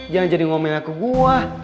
jangan jadi ngomelnya ke gue